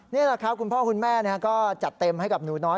นี่แหละครับคุณพ่อคุณแม่ก็จัดเต็มให้กับหนูน้อย